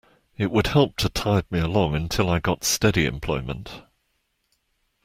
It would help to tide me along until I got steady employment.